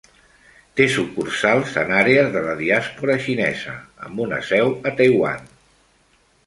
Té sucursals en àrees de la diàspora xinesa, amb una seu a Taiwan.